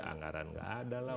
anggaran nggak ada lah